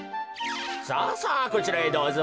さあさあこちらへどうぞ。